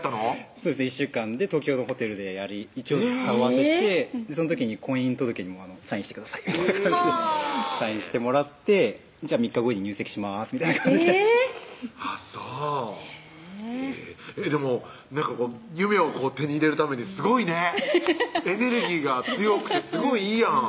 そうですね１週間で東京のホテルでやり一応顔合わせしてその時に婚姻届にも「サインしてください」みたいな感じでサインしてもらって３日後に入籍しますみたいな感じであっそうへぇでも夢を手に入れるためにすごいねエネルギーが強くてすごいいいやん